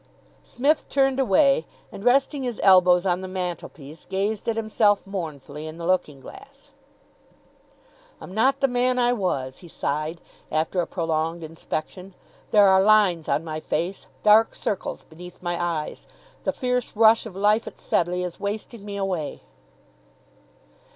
Psmith turned away, and resting his elbows on the mantelpiece, gazed at himself mournfully in the looking glass. "I'm not the man I was," he sighed, after a prolonged inspection. "There are lines on my face, dark circles beneath my eyes. The fierce rush of life at Sedleigh is wasting me away."